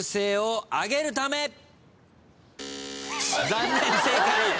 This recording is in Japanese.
残念不正解。